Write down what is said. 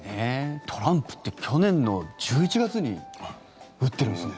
トランプって去年の１１月に打ってるんですね。